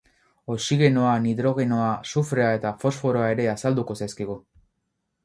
Oxigenoa, nitrogenoa, sufrea eta fosforoa ere azalduko zaizkigu.